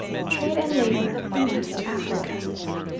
TRADE AND LABOUR IN WEST AFRICA.